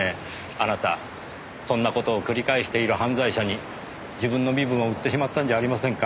あなたそんな事を繰り返している犯罪者に自分の身分を売ってしまったんじゃありませんか？